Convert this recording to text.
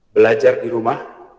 belajar di rumah